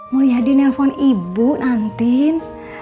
mau ya dinelpon ibu nantin